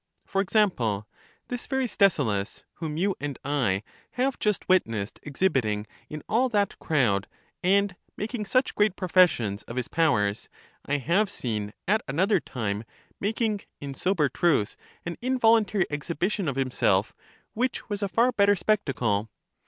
For example, this very Stesilaus, whom you and I have just witnessed exhibiting in all that crowd and making such great professions of his pow ers, I have seen at another time making, in sober truth, an involuntary exhibition of himself, which was a far better spectacle.